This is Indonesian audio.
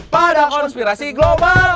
pada konspirasi global